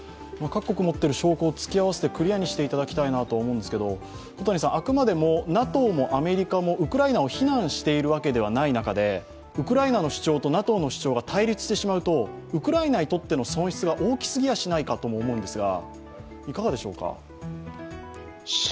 各国持っている証拠を突き合わせてクリアにしていただきたいと思うんですけど、あくまでもＮＡＴＯもアメリカもウクライナを非難しているわけではない中でウクライナの主張とＮＡＴＯの主張が対立してしまうとウクライナにとっての損失が大きすぎやしないかなと思うんですが、いかがでしょうか？